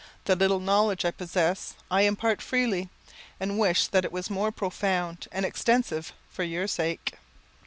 The little knowledge I possess, I impart freely, and wish that it was more profound and extensive, for your sake.